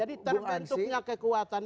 jadi terbentuknya kekuatan